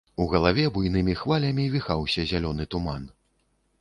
У галаве буйнымі хвалямі віхаўся зялёны туман.